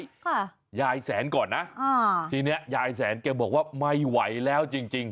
ค่ะยายแสนก่อนนะอ่าทีเนี้ยยายแสนแกบอกว่าไม่ไหวแล้วจริงจริง